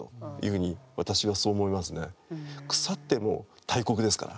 腐っても大国ですから。